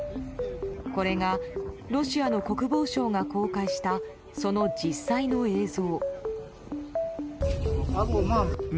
これがロシアの国防省が公開したその実際の映像。